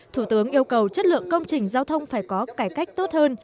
thủ tướng yêu cầu chất lượng công trình giao thông phải có cải cách tốt hơn